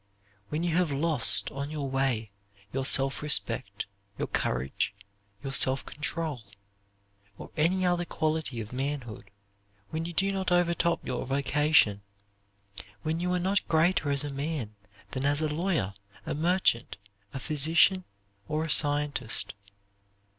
When you have lost on your way your self respect, your courage, your self control, or any other quality of manhood. When you do not overtop your vocation; when you are not greater as a man than as a lawyer, a merchant, a physician, or a scientist.